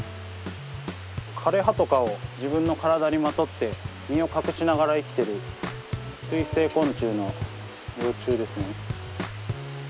枯葉とかを自分の体にまとって身を隠しながら生きている水生昆虫の幼虫ですね。